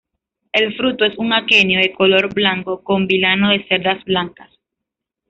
El fruto es un aquenio de color blanco con vilano de cerdas blancas.